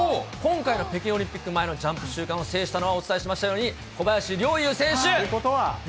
今回の北京オリンピック前のジャンプ週間制したのは、お伝えしましたように、ということは。